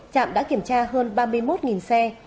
trạm đã kiểm tra hơn ba mươi một xe